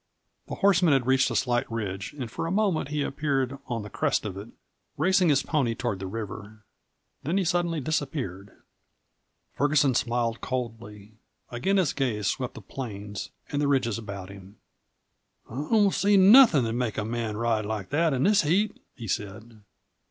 The horseman had reached a slight ridge and for a moment he appeared on the crest of it, racing his pony toward the river. Then he suddenly disappeared. Ferguson smiled coldly. Again his gaze swept the plains and the ridges about him. "I don't see nothin' that'd make a man ride like that in this heat," he said.